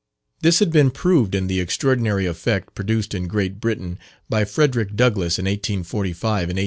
This had been proved in the extraordinary effect produced in Great Britain by Frederick Douglass in 1845 and 1846.